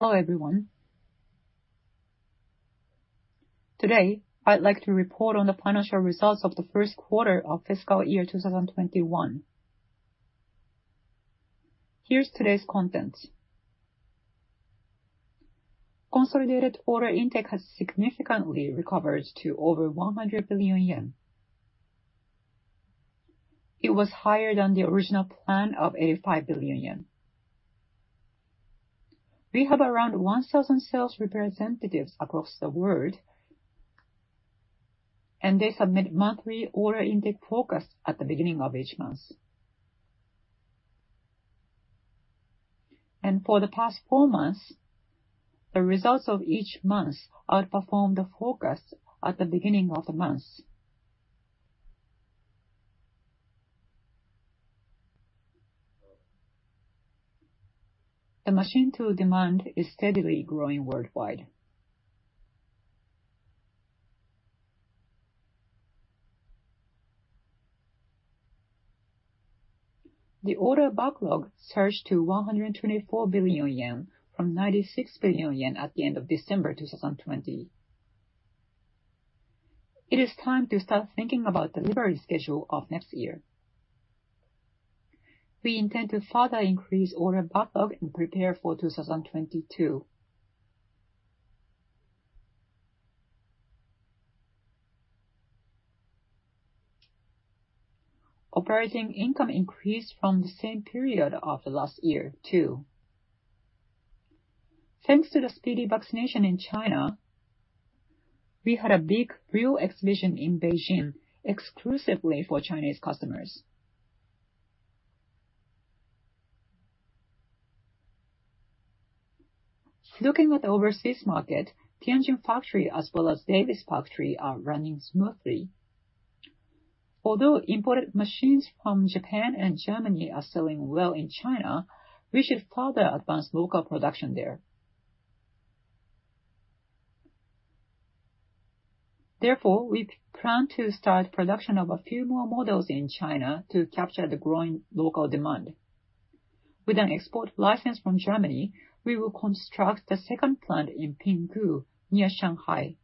Hello, everyone. Today, I'd like to report on the financial results of the first quarter of fiscal year 2021. Here's today's content. Consolidated order intake has significantly recovered to over 100 billion yen. It was higher than the original plan of 85 billion yen. We have around 1,000 sales representatives across the world. They submit monthly order intake forecast at the beginning of each month. For the past four months, the results of each month outperformed the forecast at the beginning of the month. The machine tool demand is steadily growing worldwide. The order backlog surged to 124 billion yen from 96 billion yen at the end of December 2020. It is time to start thinking about delivery schedule of next year. We intend to further increase order backlog and prepare for 2022. Operating income increased from the same period of the last year, too. Thanks to the speedy vaccination in China, we had a big real exhibition in Beijing exclusively for Chinese customers. Looking at the overseas market, Tianjin factory, as well as Davis factory, are running smoothly. Imported machines from Japan and Germany are selling well in China, we should further advance local production there. We plan to start production of a few more models in China to capture the growing local demand. With an export license from Germany, we will construct a second plant in Pinghu, near Shanghai.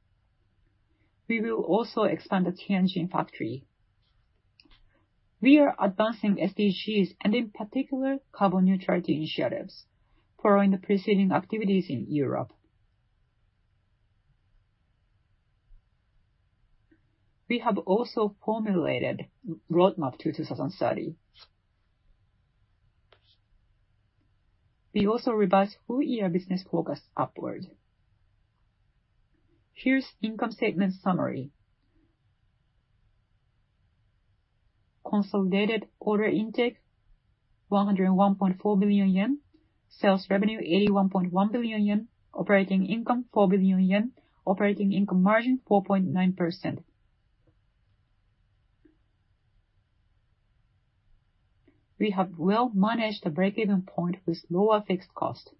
We will also expand the Tianjin factory. We are advancing SDGs, and in particular, carbon neutrality initiatives, following the preceding activities in Europe. We have also formulated a roadmap to 2030. We also revised full year business forecast upward. Here's income statement summary. Consolidated order intake, 101.4 billion yen. Sales revenue, 81.1 billion yen. Operating income, 4 billion yen. Operating income margin, 4.9%. We have well managed the break-even point with lower fixed cost.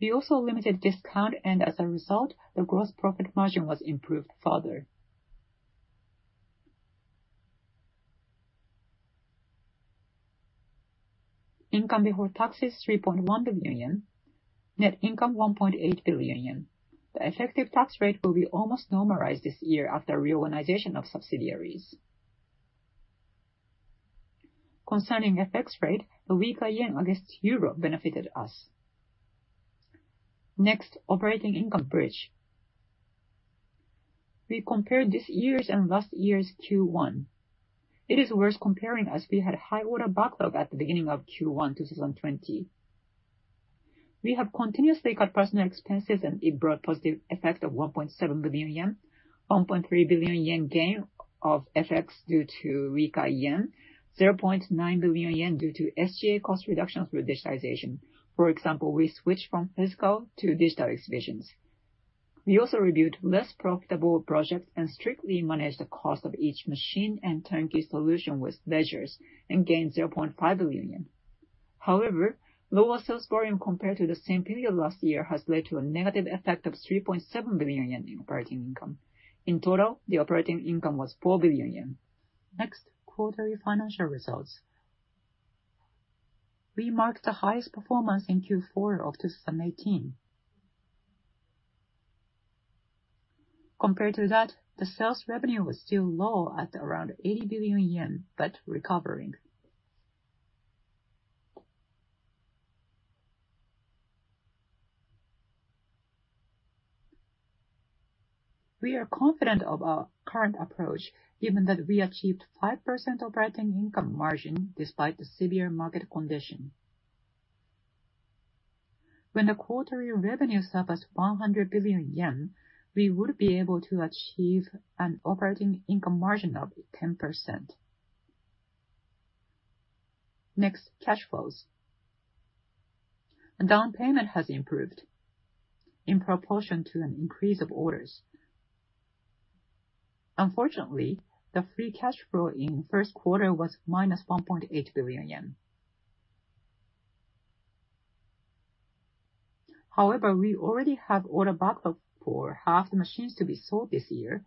We also limited discount, and as a result, the gross profit margin was improved further. Income before taxes, 3.1 billion yen. Net income, 1.8 billion yen. The effective tax rate will be almost normalized this year after reorganization of subsidiaries. Concerning FX rate, the weaker yen against euro benefited us. Next, operating income bridge. We compared this year's and last year's Q1. It is worth comparing as we had a high order backlog at the beginning of Q1 2020. We have continuously cut personal expenses, and it brought positive effect of 1.7 billion yen, 1.3 billion yen gain of FX due to weaker yen, 0.9 billion yen due to SG&A cost reduction through digitization. For example, we switched from physical to digital exhibitions. We also reviewed less profitable projects and strictly managed the cost of each machine and turnkey solution with measures, and gained 0.5 billion. However, lower sales volume compared to the same period last year has led to a negative effect of 3.7 billion yen in operating income. In total, the operating income was 4 billion yen. Next, quarterly financial results. We marked the highest performance in Q4 of 2018. Compared to that, the sales revenue was still low at around 80 billion yen, but recovering. We are confident of our current approach, given that we achieved 5% operating income margin despite the severe market condition. When the quarterly revenue surpassed 100 billion yen, we would be able to achieve an operating income margin of 10%. Next, cash flows. The down payment has improved in proportion to an increase of orders. Unfortunately, the free cash flow in first quarter was -1.8 billion yen. We already have order backlogs for half the machines to be sold this year.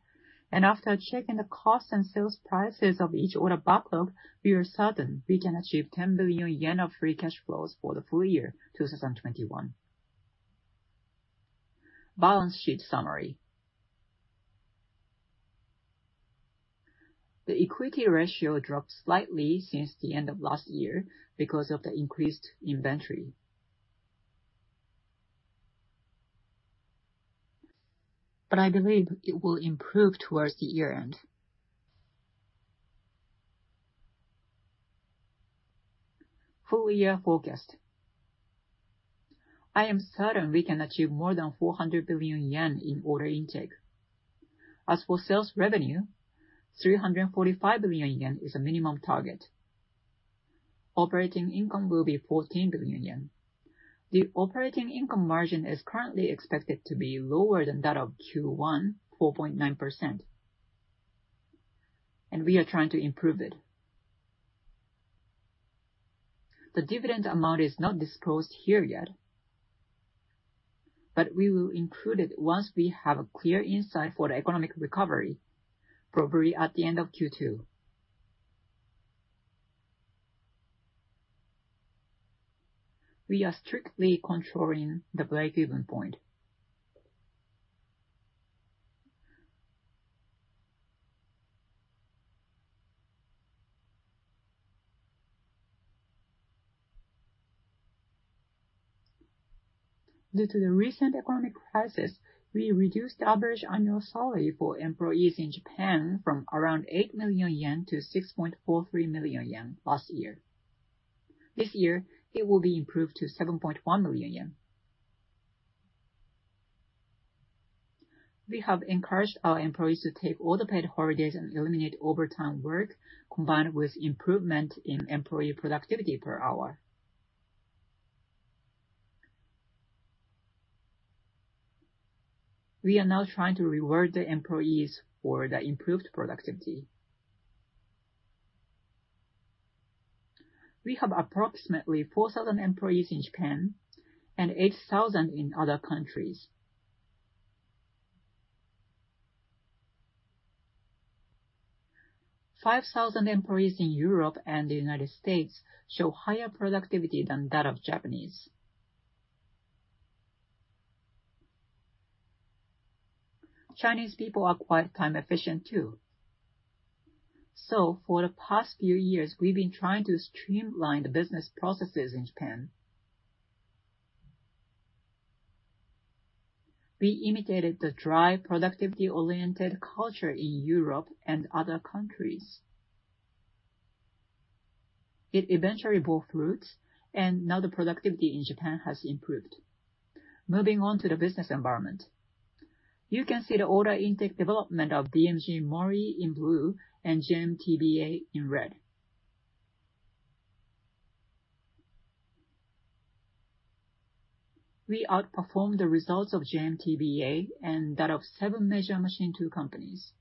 After checking the cost and sales prices of each order backlog, we are certain we can achieve 10 billion yen of free cash flows for the full year 2021. Balance sheet summary. The equity ratio dropped slightly since the end of last year because of the increased inventory. I believe it will improve towards the year-end. Full year forecast. I am certain we can achieve more than 400 billion yen in order intake. As for sales revenue, 345 billion yen is a minimum target. Operating income will be 14 billion yen. The operating income margin is currently expected to be lower than that of Q1, 4.9%. We are trying to improve it. The dividend amount is not disclosed here yet. We will include it once we have a clear insight for the economic recovery, probably at the end of Q2. We are strictly controlling the break-even point. Due to the recent economic crisis, we reduced the average annual salary for employees in Japan from around 8 million-6.43 million yen last year. This year, it will be improved to 7.1 million yen. We have encouraged our employees to take all the paid holidays and eliminate overtime work, combined with improvement in employee productivity per hour. We are now trying to reward the employees for the improved productivity. We have approximately 4,000 employees in Japan and 8,000 in other countries. 5,000 employees in Europe and the United States show higher productivity than that of Japanese. Chinese people are quite time efficient too. For the past few years, we've been trying to streamline the business processes in Japan. We imitated the dry, productivity-oriented culture in Europe and other countries. It eventually bore fruit, and now the productivity in Japan has improved. Moving on to the business environment. You can see the order intake development of DMG MORI in blue and JMTBA in red. We outperformed the results of JMTBA and that of seven major machine tool companies.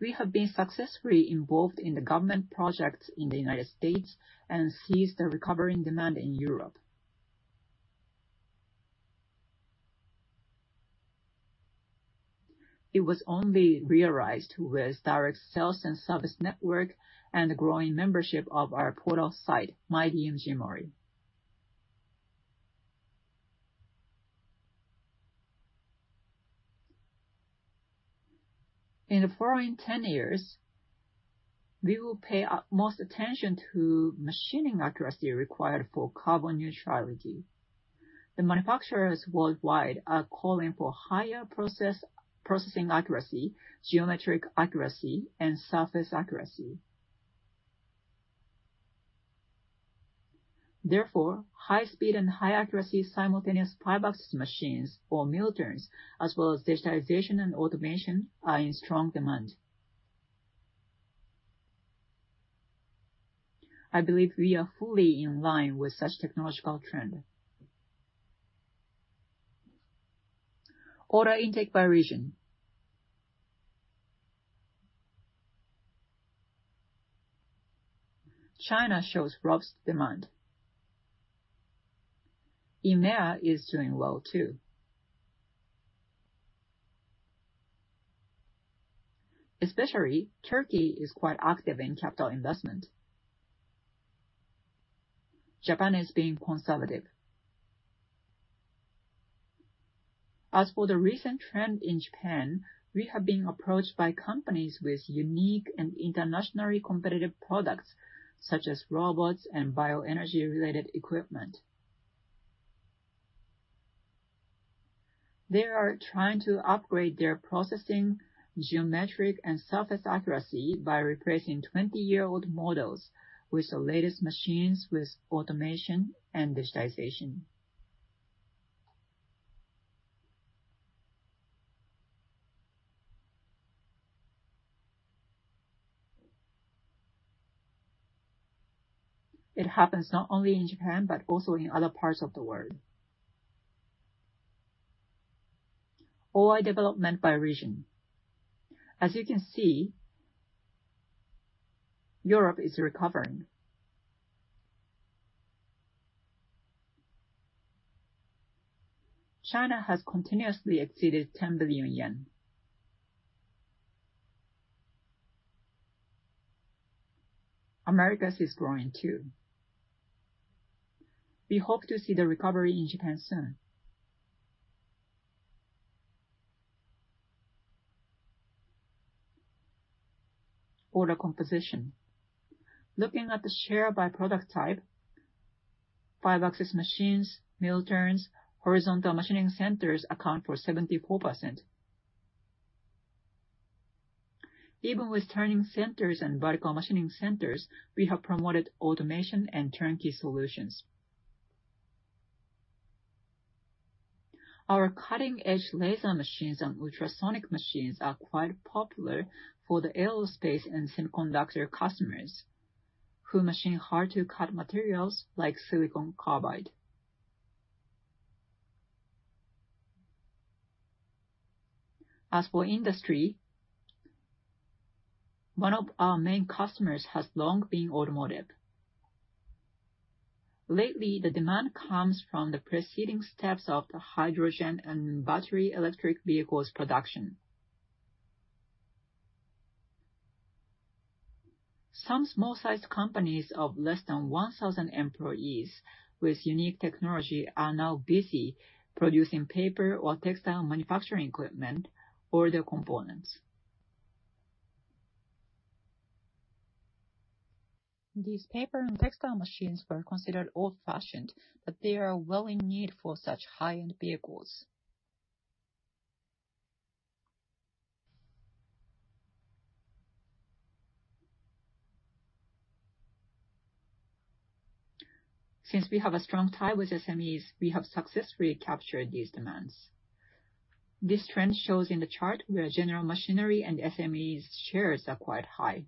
We have been successfully involved in the government projects in the United States and seized the recovering demand in Europe. It was only realized with direct sales and service network and the growing membership of our portal site, my DMG MORI. In the following 10 years, we will pay utmost attention to machining accuracy required for carbon neutrality. The manufacturers worldwide are calling for higher processing accuracy, geometric accuracy, and surface accuracy. Therefore, high speed and high accuracy, simultaneous five-axis machines or Mill-Turn, as well as digitization and automation are in strong demand. I believe we are fully in line with such technological trend. Order intake by region. China shows robust demand. EMEA is doing well, too. Especially, Turkey is quite active in capital investment. Japan is being conservative. As for the recent trend in Japan, we have been approached by companies with unique and internationally competitive products, such as robots and bioenergy-related equipment. They are trying to upgrade their processing, geometric, and surface accuracy by replacing 20-year-old models with the latest machines with automation and digitization. It happens not only in Japan, but also in other parts of the world. OI development by region. As you can see, Europe is recovering. China has continuously exceeded 10 billion yen. Americas is growing too. We hope to see the recovery in Japan soon. Order composition. Looking at the share by product type, five-axis machines, Mill-Turns, Horizontal Machining Centers account for 74%. Even with Turning Centers and Vertical Machining Centers, we have promoted automation and turnkey solutions. Our cutting-edge laser machines and ultrasonic machines are quite popular for the aerospace and semiconductor customers, who machine hard-to-cut materials like silicon carbide. As for industry, one of our main customers has long been automotive. Lately, the demand comes from the preceding steps of the hydrogen and battery electric vehicles production. Some small-sized companies of less than 1,000 employees with unique technology are now busy producing paper or textile manufacturing equipment or their components. These paper and textile machines were considered old-fashioned. They are well in need for such high-end vehicles. Since we have a strong tie with SMEs, we have successfully captured these demands. This trend shows in the chart, where general machinery and SMEs shares are quite high.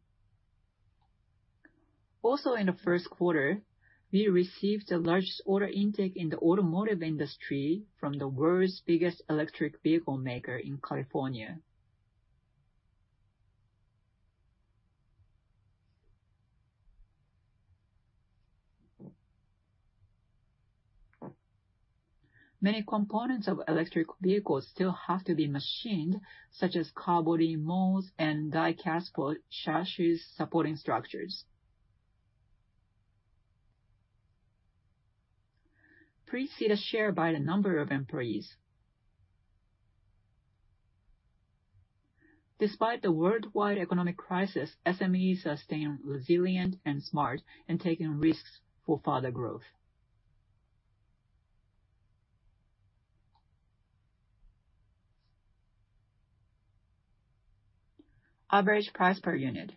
Also in the first quarter, we received the largest order intake in the automotive industry from the world's biggest electric vehicle maker in California. Many components of electric vehicles still have to be machined, such as car body molds and die-cast for chassis supporting structures. Please see the share by the number of employees. Despite the worldwide economic crisis, SMEs are staying resilient and smart, and taking risks for further growth. Average price per unit.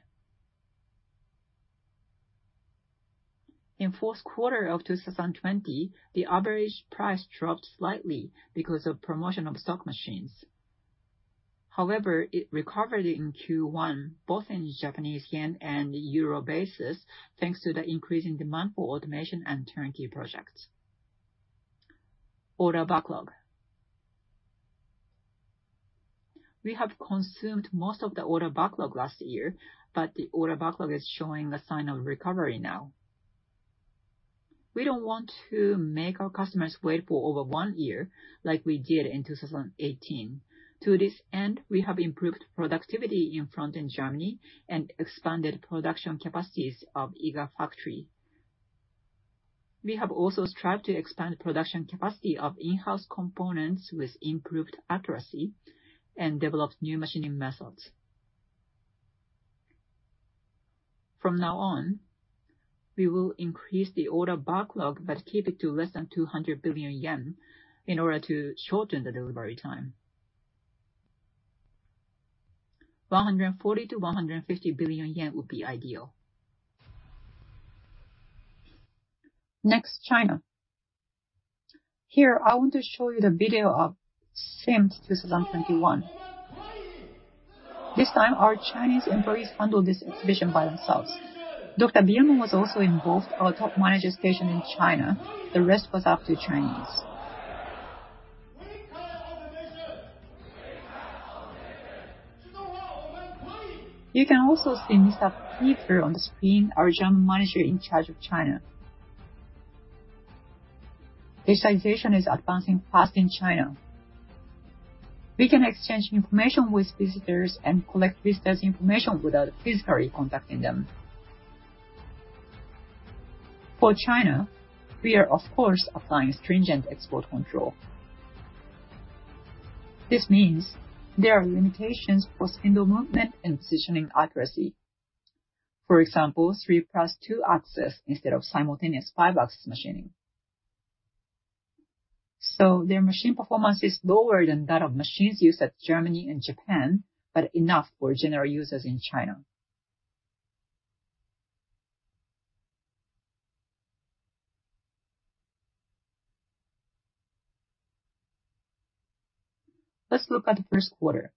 In the fourth quarter of 2020, the average price dropped slightly because of promotion of stock machines. However, it recovered in Q1, both in Japanese yen and euro basis, thanks to the increasing demand for automation and turnkey projects. Order backlog. We have consumed most of the order backlog last year, but the order backlog is showing a sign of recovery now. We don't want to make our customers wait for over one year like we did in 2018. To this end, we have improved productivity in Pfronten, Germany, and expanded production capacities of Iga factory. We have also strived to expand production capacity of in-house components with improved accuracy and developed new machining methods. From now on, we will increase the order backlog, but keep it to less than 200 billion yen in order to shorten the delivery time. 140 billion-150 billion yen would be ideal. China. Here, I want to show you the video of CIMT 2021. This time, our Chinese employees handled this exhibition by themselves. Björn Biermann was also involved, our top manager stationed in China. The rest was up to Chinese. You can also see Dr. Peter Siewert on the screen, our general manager in charge of China. Digitalization is advancing fast in China. We can exchange information with visitors and collect visitors' information without physically contacting them. For China, we are, of course, applying stringent export control. This means there are limitations for spindle movement and positioning accuracy. For example, 3+2 axis instead of simultaneous five-axis machining. Their machine performance is lower than that of machines used in Germany and Japan, but enough for general users in China. Let's look at the first quarter.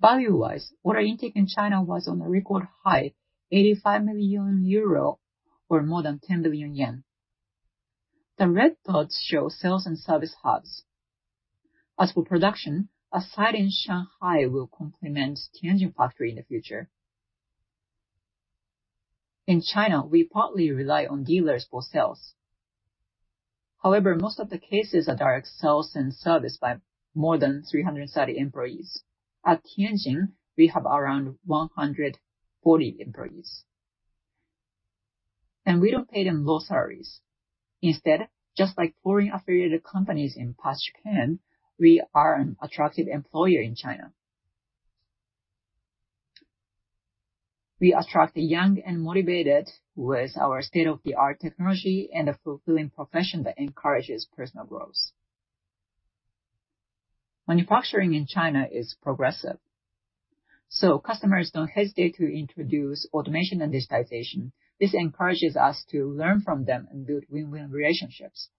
Value-wise, order intake in China was on a record high, 85 million euro, or more than 10 billion yen. The red dots show sales and service hubs. As for production, a site in Shanghai will complement Tianjin factory in the future. In China, we partly rely on dealers for sales. Most of the cases are direct sales and service by more than 330 employees. At Tianjin, we have around 140 employees. We don't pay them low salaries. Instead, just like foreign-affiliated companies in past Japan, we are an attractive employer in China. We attract the young and motivated with our state-of-the-art technology and a fulfilling profession that encourages personal growth. Manufacturing in China is progressive, customers don't hesitate to introduce automation and digitization. This encourages us to learn from them and build win-win relationships.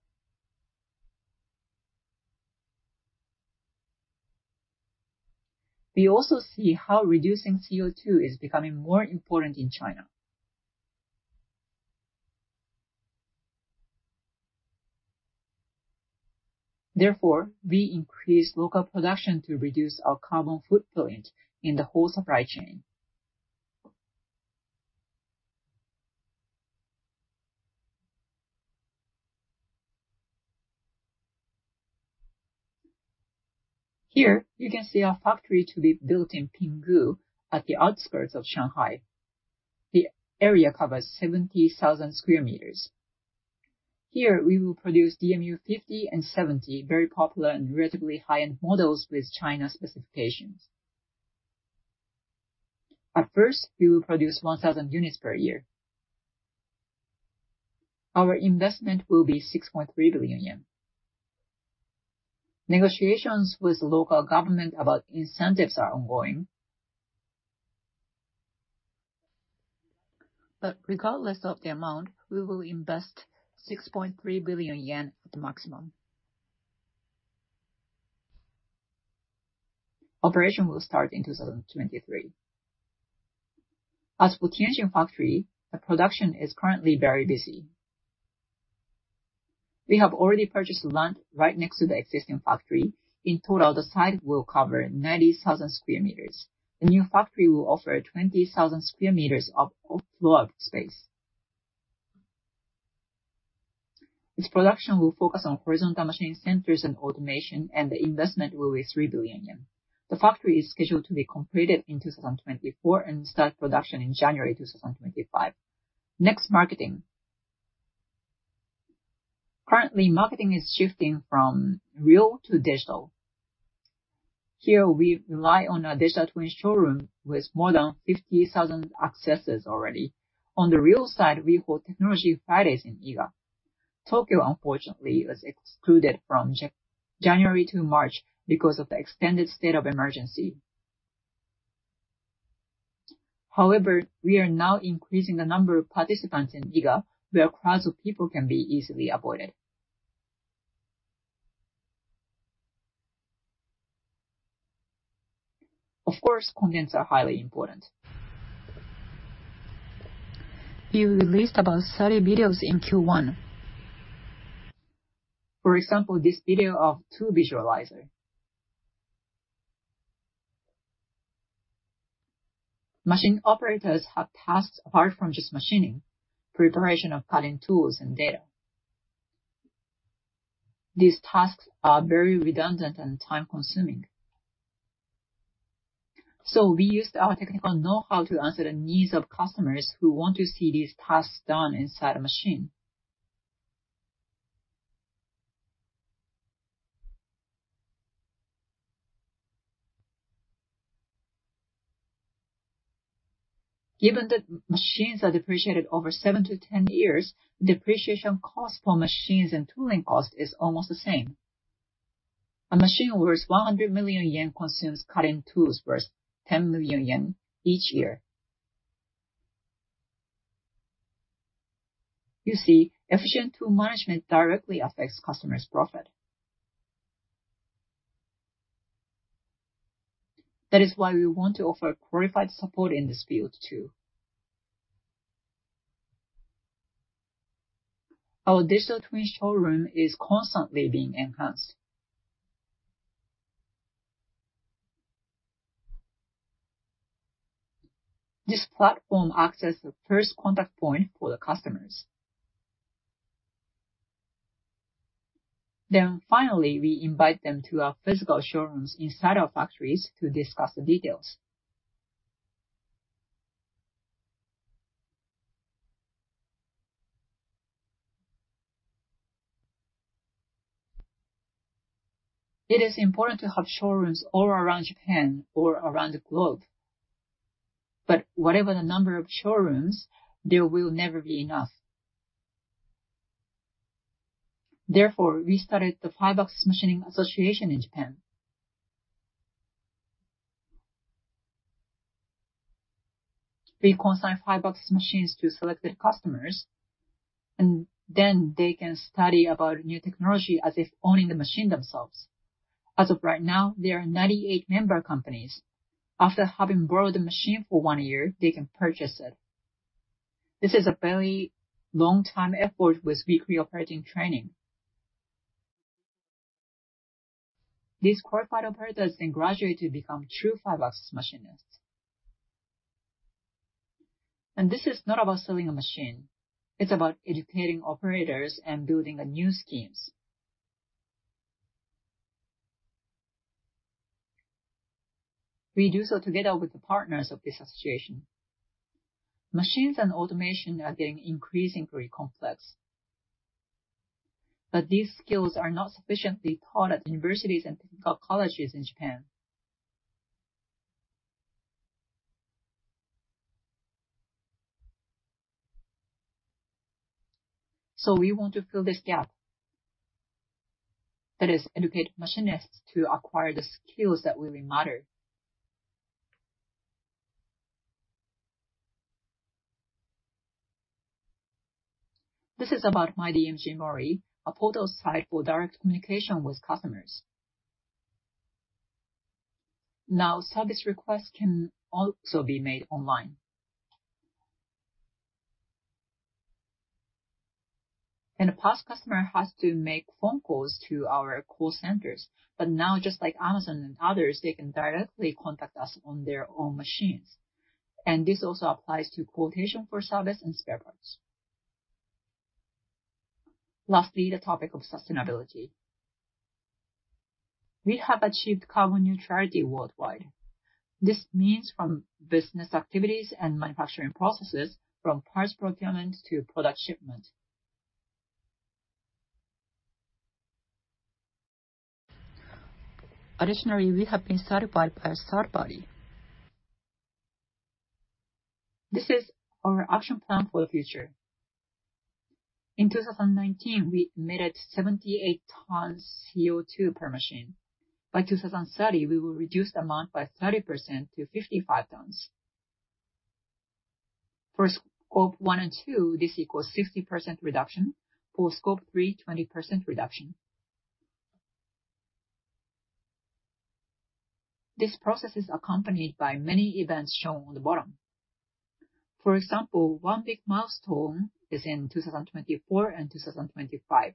We also see how reducing CO2 is becoming more important in China. We increase local production to reduce our carbon footprint in the whole supply chain. Here, you can see our factory to be built in Pinghu, at the outskirts of Shanghai. The area covers 70,000 sq m. Here, we will produce DMU 50 and 70, very popular and relatively high-end models with China specifications. At first, we will produce 1,000 units per year. Our investment will be 6.3 billion yen. Negotiations with the local government about incentives are ongoing. Regardless of the amount, we will invest 6.3 billion yen at the maximum. Operation will start in 2023. As for Tianjin factory, the production is currently very busy. We have already purchased land right next to the existing factory. In total, the site will cover 90,000 sq m. The new factory will offer 20,000 sq m of floor space. Its production will focus on Horizontal Machining Centers and automation, the investment will be 3 billion yen. The factory is scheduled to be completed in 2024 and start production in January 2025. Next, marketing. Currently, marketing is shifting from real to digital. Here, we rely on our Digital Twin Showroom with more than 50,000 accesses already. On the real side, we hold Technology Fridays in Iga. Tokyo, unfortunately, was excluded from January to March because of the extended state of emergency. We are now increasing the number of participants in Iga, where crowds of people can be easily avoided. Of course, contents are highly important. We released about 30 videos in Q1. For example, this video of Tool Visualizer. Machine operators have tasks apart from just machining, preparation of cutting tools and data. These tasks are very redundant and time-consuming. We used our technical know-how to answer the needs of customers who want to see these tasks done inside a machine. Given that machines are depreciated over seven to 10 years, depreciation cost for machines and tooling cost is almost the same. A machine worth 100 million yen consumes cutting tools worth 10 million yen each year. You see, efficient tool management directly affects customers' profit. We want to offer qualified support in this field, too. Our Digital Twin Showroom is constantly being enhanced. This platform acts as the first contact point for the customers. Finally, we invite them to our physical showrooms inside our factories to discuss the details. It is important to have showrooms all around Japan or around the globe. Whatever the number of showrooms, there will never be enough. We started the five-axis Machining Association in Japan. We consign five-axis machines to selected customers, and then they can study about new technology as if owning the machine themselves. As of right now, there are 98 member companies. After having borrowed the machine for one year, they can purchase it. This is a very long-time effort with weekly operating training. These qualified operators graduate to become true five-axis machinists. This is not about selling a machine, it's about educating operators and building new schemes. We do so together with the partners of this association. Machines and automation are getting increasingly complex, these skills are not sufficiently taught at universities and technical colleges in Japan. We want to fill this gap. That is, educate machinists to acquire the skills that really matter. This is about my DMG MORI, a portal site for direct communication with customers. Now, service requests can also be made online. In the past, customer has to make phone calls to our call centers. Now, just like Amazon and others, they can directly contact us on their own machines, and this also applies to quotation for service and spare parts. Lastly, the topic of sustainability. We have achieved carbon neutrality worldwide. This means from business activities and manufacturing processes, from parts procurement to product shipment. Additionally, we have been certified by a third party. This is our action plan for the future. In 2019, we emitted 78 tons of CO2 per machine. By 2030, we will reduce the amount by 30% to 55 tons. For Scope one and two, this equals 60% reduction. For Scope three, 20% reduction. This process is accompanied by many events shown on the bottom. For example, one big milestone is in 2024 and 2025,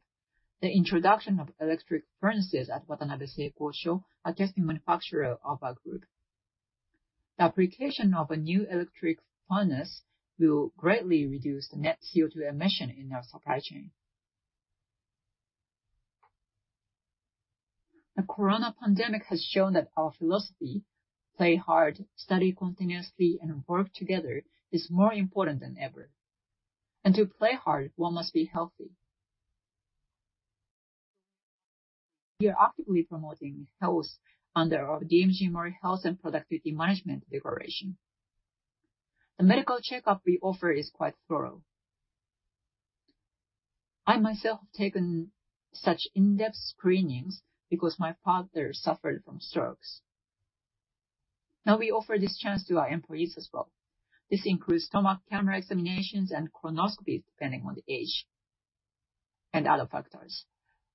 the introduction of electric furnaces at Watanabe Seiko Co., LTD., a casting manufacturer of our group. The application of a new electric furnace will greatly reduce the net CO2 emission in our supply chain. The corona pandemic has shown that our philosophy, play hard, study continuously and work together, is more important than ever. To play hard, one must be healthy. We are actively promoting health under our DMG MORI Health and Productivity Management Declaration. The medical checkup we offer is quite thorough. I myself have taken such in-depth screenings because my father suffered from strokes. Now we offer this chance to our employees as well. This includes stomach camera examinations and colonoscopies, depending on the age and other factors.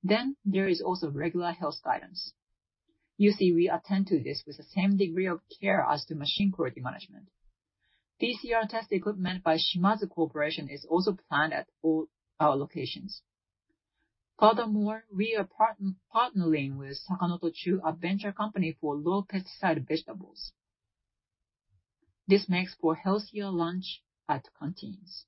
There is also regular health guidance. You see, we attend to this with the same degree of care as the machine quality management. PCR test equipment by Shimadzu Corporation is also planned at all our locations. Furthermore, we are partnering with Saka no Tochu, a venture company for low-pesticide vegetables. This makes for healthier lunch at canteens.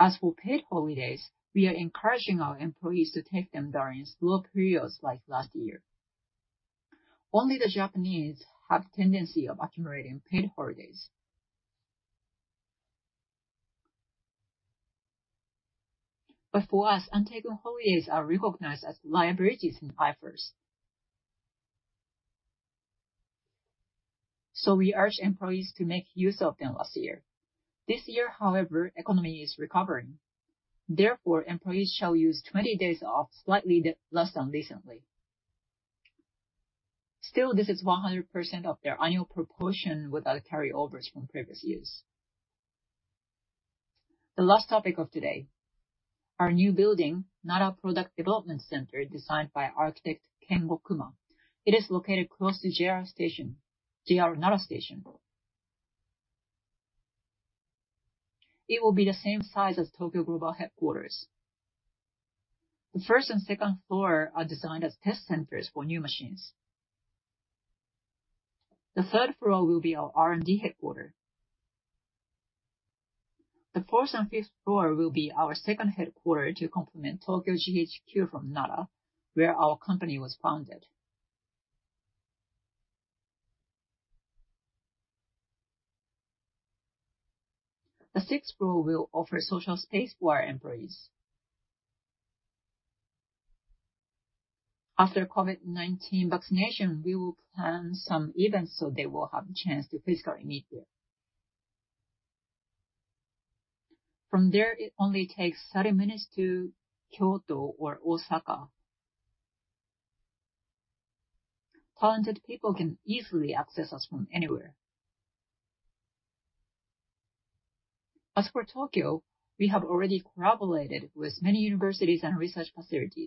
As for paid holidays, we are encouraging our employees to take them during slow periods, like last year. Only the Japanese have a tendency of accumulating paid holidays. For us, untaken holidays are recognized as liabilities and transfers. We urged employees to make use of them last year. This year, however, economy is recovering. Therefore, employees shall use 20 days off, slightly less than recently. This is 100% of their annual proportion without carry-overs from previous years. The last topic of today, our new building, Nara Product Development Center, designed by architect Kengo Kuma. It is located close to JR Nara Station. It will be the same size as Tokyo global headquarters. The first and second floor are designed as test centers for new machines. The third floor will be our R&D headquarters. The fourth and fifth floor will be our second headquarters to complement Tokyo GHQ from Nara, where our company was founded. The sixth floor will offer social space for our employees. After COVID-19 vaccination, we will plan some events so they will have a chance to physically meet there. From there, it only takes 30 minutes to Kyoto or Osaka. Talented people can easily access us from anywhere. As for Tokyo, we have already collaborated with many universities and research facilities.